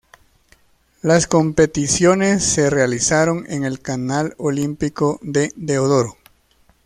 Las competiciones se realizaron en el Canal Olímpico de Deodoro.